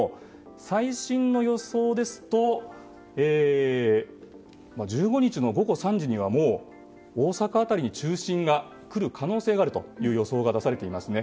最新の予想ですと１５日の午後３時にはもう大阪辺りに中心が来る可能性がある予想が出されていますね。